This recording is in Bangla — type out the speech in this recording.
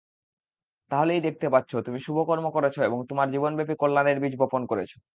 তাহলেই দেখতে পাচ্ছ, তুমি শুভকর্ম করেছ এবং তোমার জীবনব্যাপী কল্যাণের বীজ বপন করেছ।